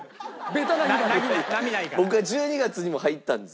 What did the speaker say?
僕は１２月にも入ったんです。